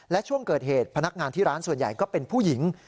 และช่วงเกิดเหตุพนักงานที่ร้านส่วนใหญ่ก็เป็นผู้หญิง